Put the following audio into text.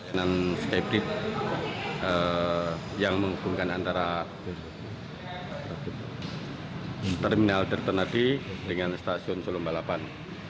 dengan skybridge yang menghubungkan antara terminal tirtonadi dengan stasiun solo balapan